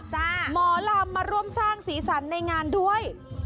หมอลำมาร่วมสร้างสีสันในงานด้วย